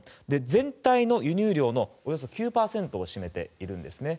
全体の輸入量のおよそ９％を占めているんですね。